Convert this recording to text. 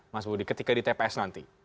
mas budi ketika di tps nanti